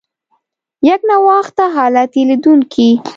یکنواخته حالت یې لیدونکي.